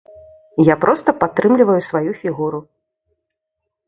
Я проста падтрымліваю сваю фігуру.